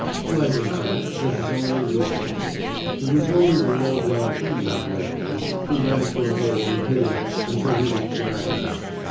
Flight, in fact, was his only resource. It was only the low brow criminal, Blake knew, who ran for a hole and hid in it until he was dragged out.